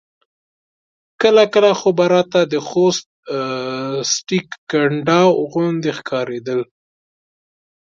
کله کله خو به راته د خوست سټې کنډاو غوندې ښکارېدل.